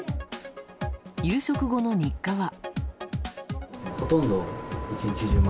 夕食後の日課は。